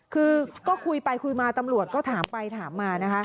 คือก็คุยไปคุยมาตำรวจก็ถามไปถามมานะคะ